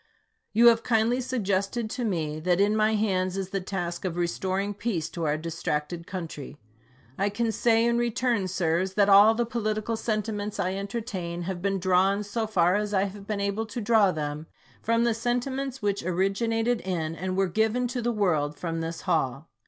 You have kindly suggested to me that in my hands is the task of restoring peace to our distracted country. I can say in return, sirs, that all the political sentiments I entertain have been drawn, so far as I have been able to draw them, from the sentiments which originated in and were given to the world from this hall.